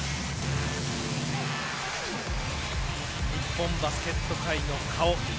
日本バスケット界の顔。